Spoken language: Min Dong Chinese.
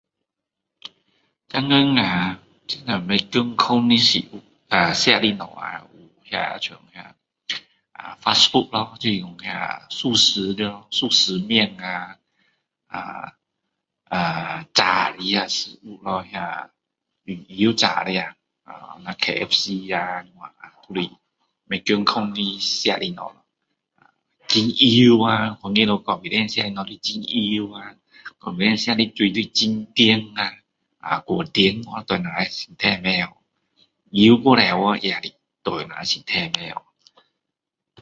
现在呀真的很不健康的吃的东西那个像那个fast food 咯就是说速食咯速食面呀呃炸的食物咯那个用油炸的呀像KFC 呀这样呀不健康的吃东西呃很油呀东西都是很甜呀太甜了对我们的身体不好油太多对我们的身体也不好